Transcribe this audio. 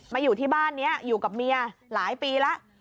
อยู่ที่บ้านนี้อยู่กับเมียหลายปีแล้ว